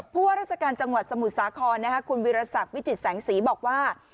ว่าราชการจังหวัดสมุทรสาครคุณวิรสักวิจิตแสงสีบอกว่า